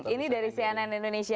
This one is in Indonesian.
ini dari cnn indonesia